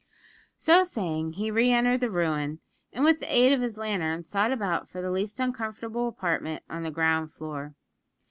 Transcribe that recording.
So saying, he re entered the ruin, and with the aid of his lantern sought about for the least uncomfortable apartment on the ground floor.